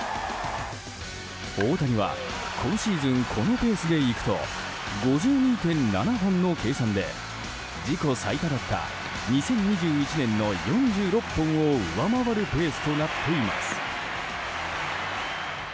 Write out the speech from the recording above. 大谷は今シーズンこのペースでいくと５２．７本の計算で自己最多だった２０２１年の４６本を上回るペースとなっています。